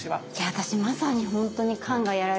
私まさに本当に肝がやられてます。